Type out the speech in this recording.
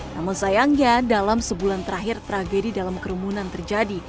namun sayangnya dalam sebulan terakhir tragedi dalam kerumunan terjadi